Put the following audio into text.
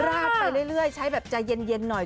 ราดไปเรื่อยใช้แบบใจเย็นหน่อย